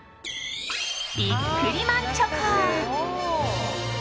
ビックリマンチョコ。